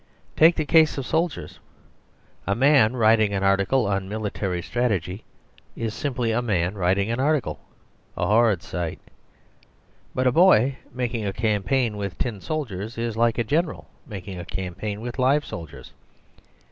Take the case of soldiers. A man writing an article on military strategy is simply a man writing an article; a horrid sight. But a boy making a campaign with tin soldiers is like a General making a campaign with live soldiers.